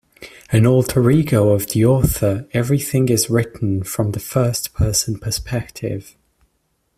An alter ego of the author, everything is written from the first person perspective.